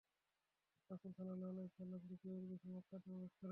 রাসূল সাল্লাল্লাহু আলাইহি ওয়াসাল্লাম বিজয়ীর বেশে মক্কাতে প্রবেশ করেন।